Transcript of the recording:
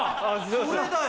それだよ。